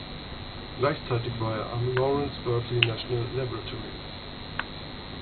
Gleichzeitig war er am Lawrence Berkeley National Laboratory.